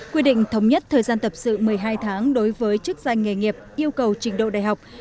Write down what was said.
quy định thống nhất thời gian tập sự một mươi hai tháng đối với chức danh nghề nghiệp yêu cầu trình độ đại học